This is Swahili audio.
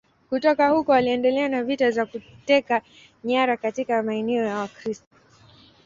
Kutoka huko waliendelea na vita za kuteka nyara katika maeneo ya Wakristo.